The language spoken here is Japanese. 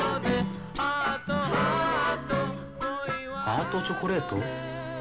ハートチョコレート？